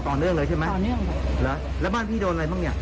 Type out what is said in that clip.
ติดต่อต่อเนื่องเลยใช่ไหมแล้วบ้านพี่โดนอะไรบ้างเนี่ย